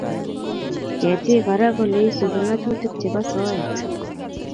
Ketiik kora kole isupi ng'atutiik chebo soeet.